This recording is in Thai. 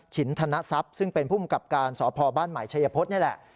ฉินธนทรัพย์ซับซึ่งเป็นผู้มูลกรรมการสพบ้านหมายเฉยพศนี่แหละ